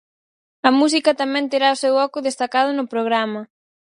A música tamén terá o seu oco destacado no programa.